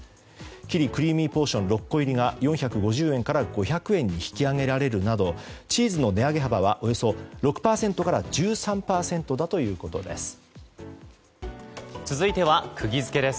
キリクリーミーポーション６個入りが４５０円から５００円に引き上げられるなどチーズの値上げ幅はおよそ６％から１３％だということです。